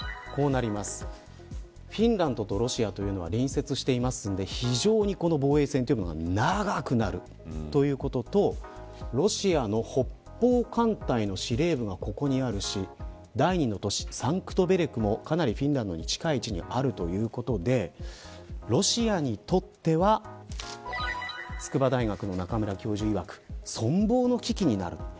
フィンランドとロシアは隣接していますので非常に防衛戦が長くなるということとロシアの北方艦隊の司令部がここにあるし第２の都市サンクトペテルブルクもかなりフィンランドに近い位置にあるということでロシアにとっては筑波大学の中村教授いわく存亡の危機になるか。